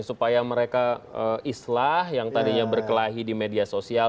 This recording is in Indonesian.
supaya mereka islah yang tadinya berkelahi di media sosial